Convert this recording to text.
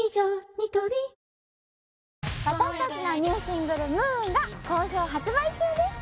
ニトリ私達のニューシングル「Ｍｏｏｎ」が好評発売中です